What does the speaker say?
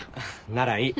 ならいい。